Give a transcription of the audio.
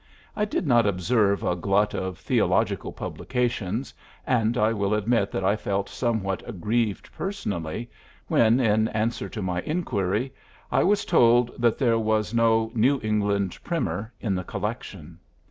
I did not observe a glut of theological publications, and I will admit that I felt somewhat aggrieved personally when, in answer to my inquiry, I was told that there was no "New England Primer" in the collection.